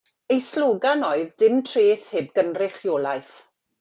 Eu slogan oedd dim treth heb gynrychiolaeth.